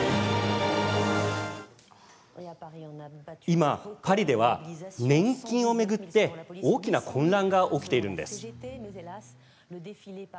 今、パリでは年金を巡って大きな混乱が起きているんです。